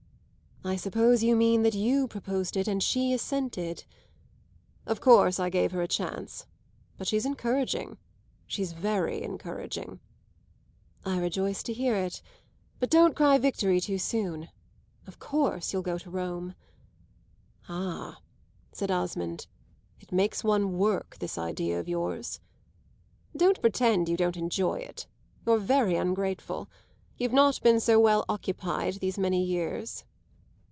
"I suppose you mean that you proposed it and she assented." "Of course I gave her a chance. But she's encouraging she's very encouraging." "I rejoice to hear it but don't cry victory too soon. Of course you'll go to Rome." "Ah," said Osmond, "it makes one work, this idea of yours!" "Don't pretend you don't enjoy it you're very ungrateful. You've not been so well occupied these many years."